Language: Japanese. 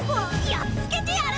やっつけてやる！